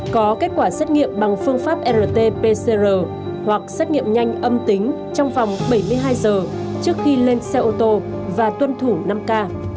có kết quả xét nghiệm bằng phương pháp rt pcr hoặc xét nghiệm nhanh âm tính trong vòng bảy mươi hai giờ trước khi lên xe ô tô và tuân thủ năm k